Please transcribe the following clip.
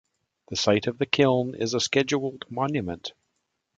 The site of the kiln is a scheduled monument.